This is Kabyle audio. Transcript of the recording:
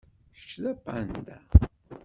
Kečč d apanda.